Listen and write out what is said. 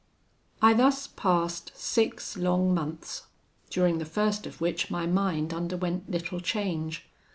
"I thus passed six long months; during the first of which my mind underwent little change.